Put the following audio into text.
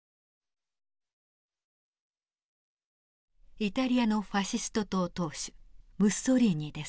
イタリアのファシスト党党首ムッソリーニです。